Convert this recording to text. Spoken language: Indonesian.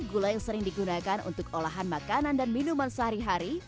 gula yang sering digunakan untuk olahan makanan dan minuman sehari hari